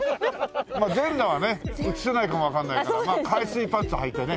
まあ全裸はね映せないかもわかんないからまあ海水パンツはいてね